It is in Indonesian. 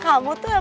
kamu tuh emang